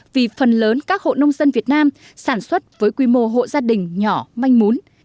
vì phần lớn các hộ nông dân việt nam sản xuất với quy mô hộ gia đình nhỏ manh mún